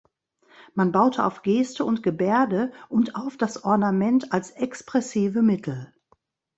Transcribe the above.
Man baute auf Geste und Gebärde und auf das Ornament als expressive Mittel.